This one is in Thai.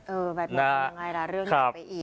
เออแบตหมดก็ยังไงล่ะเรื่องนี้กลับไปอีก